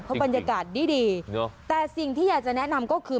เพราะบรรยากาศดีดีนึกว่าแต่สิ่งที่อยากจะแนะนำก็คือ